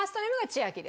千秋。